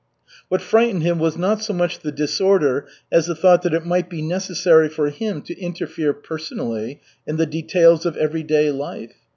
What frightened him was not so much the disorder as the thought that it might be necessary for him to interfere personally in the details of everyday life.